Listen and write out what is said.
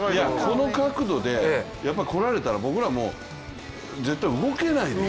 この角度でこられたら僕らも絶対動けないです。